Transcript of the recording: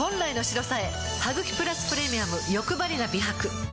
「ハグキプラスプレミアムよくばりな美白」